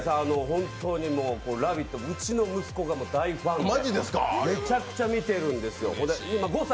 「ラヴィット！」、うちの息子が大ファンでめちゃくちゃ見てるんですよ。